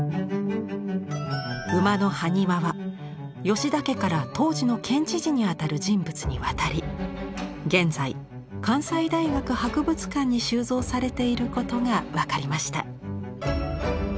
馬の埴輪は吉田家から当時の県知事にあたる人物に渡り現在関西大学博物館に収蔵されていることが分かりました。